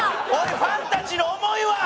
ファンたちの思いは！？